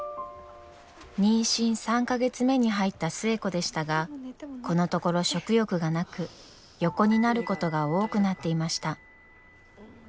妊娠３か月目に入った寿恵子でしたがこのところ食欲がなく横になることが多くなっていました。